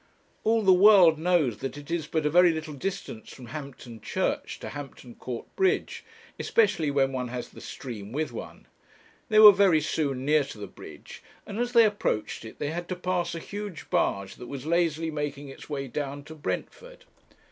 All the world knows that it is but a very little distance from Hampton Church to Hampton Court Bridge, especially when one has the stream with one. They were very soon near to the bridge, and as they approached it, they had to pass a huge barge, that was lazily making its way down to Brentford.